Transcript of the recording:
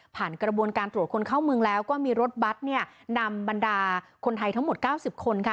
กระบวนการตรวจคนเข้าเมืองแล้วก็มีรถบัตรเนี่ยนำบรรดาคนไทยทั้งหมด๙๐คนค่ะ